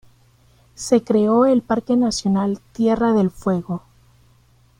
Se creó el parque nacional Tierra del Fuego.